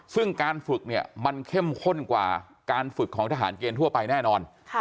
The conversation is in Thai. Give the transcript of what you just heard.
ซึ่งการฝึกเนี่ยมันเข้มข้นกว่าการฝึกของทหารเกณฑ์ทั่วไปแน่นอน